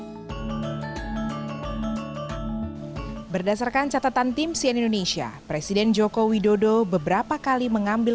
hai berdasarkan catatan tim sien indonesia presiden jokowi dodo beberapa kali mengambil